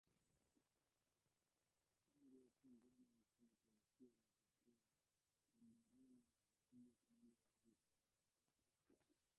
aa kambi ya upinzani nchini tunisia imepokea kwa nderemo na vifijo kauli ya urais